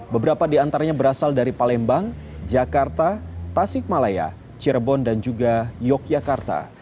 beberapa di antaranya berasal dari palembang jakarta tasik malaya cirebon dan juga yogyakarta